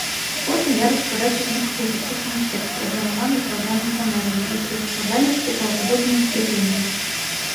Кожны ярус складаўся з некалькіх закручаных секцый, аблямаваных драўлянымі панэлямі, якія складалі купалападобныя скляпенні.